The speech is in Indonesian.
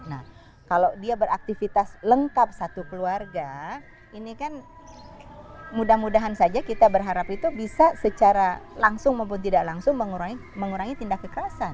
nah kalau dia beraktivitas lengkap satu keluarga ini kan mudah mudahan saja kita berharap itu bisa secara langsung maupun tidak langsung mengurangi tindak kekerasan